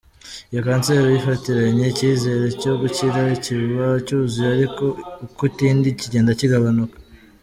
Iyo cancer uyifatiranye icyizere cyo gukira kiba cyuzuye ariko uko utinda kigenda kigabanuka.